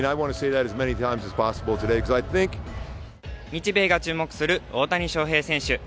日米が注目する大谷翔平選手。